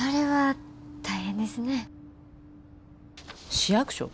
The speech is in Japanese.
市役所？